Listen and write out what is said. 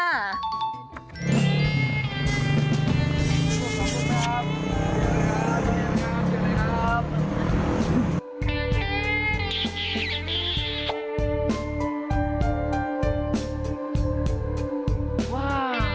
ขอบคุณครับ